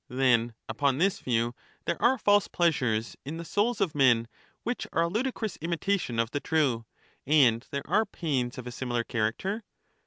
Then upon this view there are false pleasures in the souls of men which are a ludicrous imitation of the true, and there are pains of a similar character